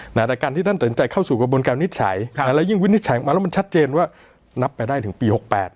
แต่การที่ท่านตัดสินใจเข้าสู่กระบวนการวินิจฉัยและยิ่งวินิจฉัยออกมาแล้วมันชัดเจนว่านับไปได้ถึงปี๖๘